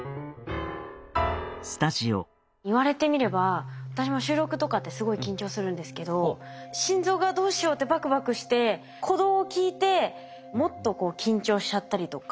言われてみれば私も収録とかってすごい緊張するんですけど心臓がどうしようってバクバクして鼓動を聞いてもっと緊張しちゃったりとか。